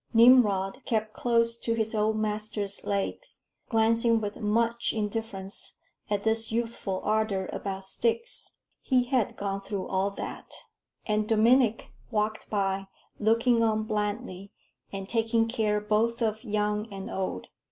Nimrod kept close to his old master's legs, glancing with much indifference at this youthful ardor about sticks he had "gone through all that"; and Dominic walked by, looking on blandly, and taking care both of young and old.